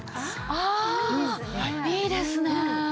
ああいいですね。